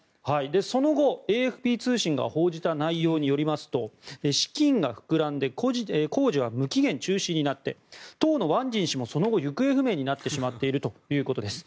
その後、ＡＦＰ通信が報じた内容によりますと資金が膨らんで工事は無期限中止になって当のワン・ジン氏もその後、行方不明になってしまっているということです。